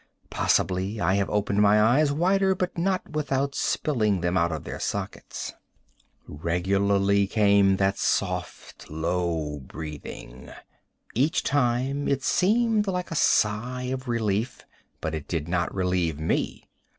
Possibly I could have opened my eyes wider, but not without spilling them out of their sockets. Regularly came that soft, low breathing. Each time it seemed like a sigh of relief, but it did not relieve me.